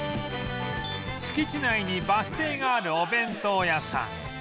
敷地内にバス停があるお弁当屋さん